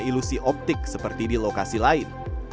ilusi optik seperti di lokasi lain